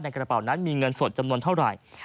กระเป๋านั้นมีเงินสดจำนวนเท่าไหร่